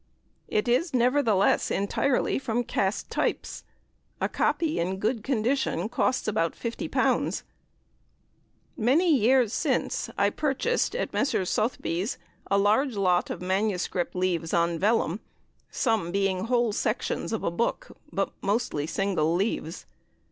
It is, nevertheless, entirely from cast types. A copy in good condition costs about L50. Many years since I purchased, at Messrs. Sotheby's, a large lot of MS. leaves on vellum, some being whole sections of a book, but mostly single leaves.